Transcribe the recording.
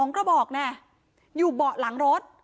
กระบอกอยู่เบาะหลังรถ